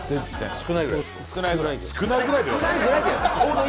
少ないぐらいではない。